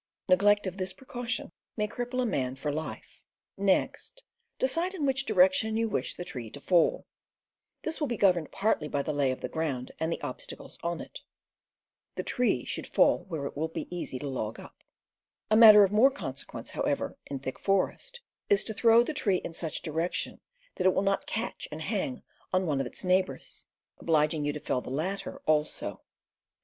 Neg lect of this precaution may cripple a man for life. Next decide in which direction you wish the tree to fall. This will be governed partly by the lay of the ground M 1 <r/\\ \'/^ mm E i A^^^ Wm ia r^~^^^ z ^ 3 » 4 [Fig 15. Illustrating how to Cut a Tree and Split a Log. and the obstacles on it. The tree should fall where it will be easy to log up. A matter of more consequence, however, in thick forest, is to throw the tree in such direction that it will not catch and hang on one of its neighbors, obliging you to fell the latter also.